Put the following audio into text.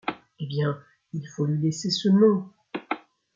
Eh bien, il faut lui laisser ce nom !